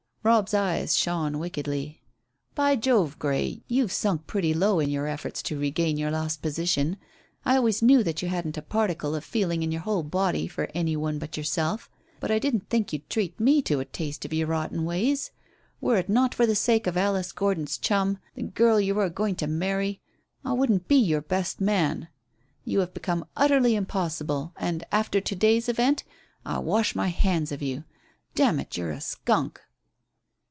Robb's eyes shone wickedly. "By Jove, Grey, you've sunk pretty low in your efforts to regain your lost position. I always knew that you hadn't a particle of feeling in your whole body for any one but yourself, but I didn't think you'd treat me to a taste of your rotten ways. Were it not for the sake of Alice Gordon's chum, the girl you are going to marry, I wouldn't be your best man. You have become utterly impossible, and, after to day's event, I wash my hands of you. Damn it, you're a skunk!"